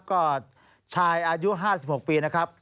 ก็ชายอายุ๕๖ปีนะครับ